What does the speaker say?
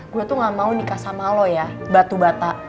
gue tuh gak mau nikah sama lo ya batu bata